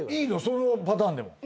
そのパターンでも。